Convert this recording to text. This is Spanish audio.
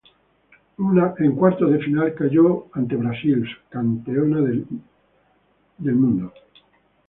En cuartos de final cayó ante Brasil, subcampeona del evento.